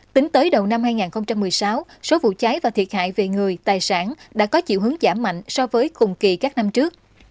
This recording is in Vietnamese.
tính tới đầu năm hai nghìn một mươi sáu số vụ cháy và thiệt hại về người tài sản đã có chiều hướng giảm mạnh so với cùng kỳ các năm trước